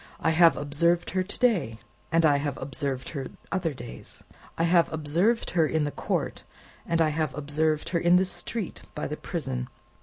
I have observed her to day, and I have observed her other days. I have observed her in the court, and I have observed her in the street by the prison.